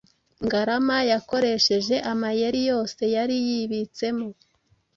Ngarama yakoresheje amayeri yose yari yibitsemo